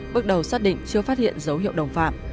bước đầu xác định chưa phát hiện dấu hiệu đồng phạm